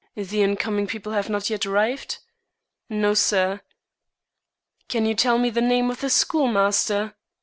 "The incoming people have not yet arrived?" "No, sir." "Can you tell me the name of the schoolmaster?"